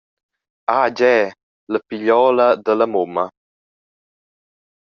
Ah gie, la pigliola dalla mumma.